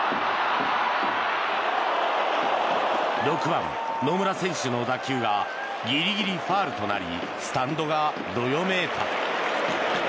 ６番、野村選手の打球がギリギリファウルとなりスタンドがどよめいた。